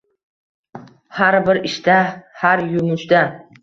Har bir ishda, har yumushda